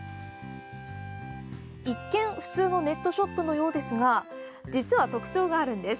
一見、普通のネットショップのようですが実は、特徴があるんです。